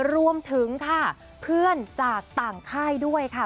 รวมถึงค่ะเพื่อนจากต่างค่ายด้วยค่ะ